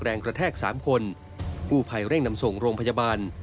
แรงกระแทกสามคนกู้ภัยเร่งนำส่งโรงพยาบาล